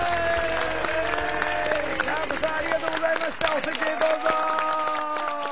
お席へどうぞ。